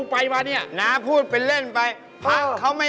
ไปจองสารางน่ะบ้า